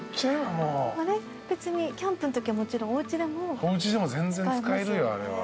あれ別にキャンプのときはもちろんおうちでも使えますよね。